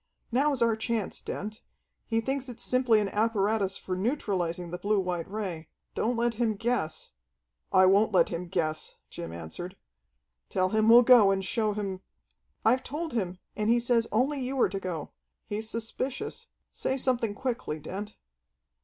"Now's our chance, Dent. He thinks it's simply an apparatus for neutralizing the blue white ray. Don't let him guess " "I won't let him guess," Jim answered. "Tell him we'll go and show him " "I've told him, and he says only you are to go. He's suspicious. Say something quickly, Dent."